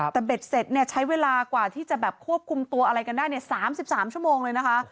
แต่เบ็ดเสร็จเนี่ยใช้เวลากว่าที่จะแบบควบคุมตัวอะไรกันได้๓๓ชั่วโมงเลยนะคะ